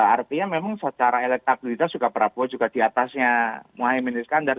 artinya memang secara elektabilitas juga prabowo juga diatasnya muhaymin iskandar